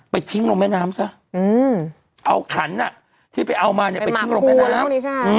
ทิ้งลงแม่น้ำซะเอาขันที่ไปเอามาเนี่ยไปทิ้งลงแม่น้ำ